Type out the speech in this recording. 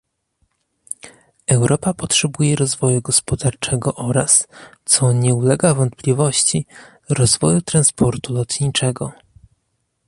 Europa potrzebuje rozwoju gospodarczego oraz, co nie ulega wątpliwości, rozwoju transportu lotniczego